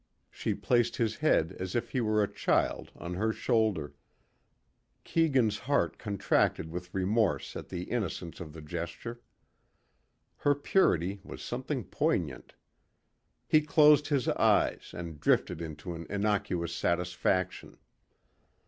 She placed his head as if he were a child on her shoulder. Keegan's heart contracted with remorse at the innocence of the gesture. Her purity was something poignant. He closed his eyes and drifted into an innocuous satisfaction.